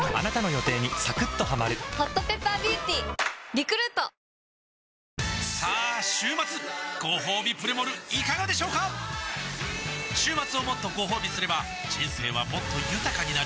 「サッポロ濃いめのレモンサワー」リニューアルさあ週末ごほうびプレモルいかがでしょうか週末をもっとごほうびすれば人生はもっと豊かになる！